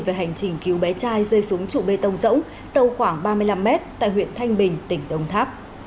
về hành trình cứu bé trai rơi xuống trụ bê tông rỗng sâu khoảng ba mươi năm mét tại huyện thanh bình tỉnh đồng tháp